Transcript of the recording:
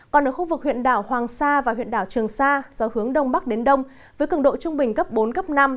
còn ở khu vực huyện đảo hoàng sa và huyện đảo trường sa gió hướng đông bắc đến đông với cường độ trung bình cấp bốn cấp năm